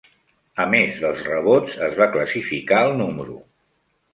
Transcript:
A més dels rebots, es va classificar el número